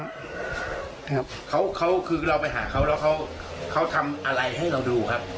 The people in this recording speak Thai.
คือเราไปหาเขาแล้วเขาทำอะไรให้เราดูครับ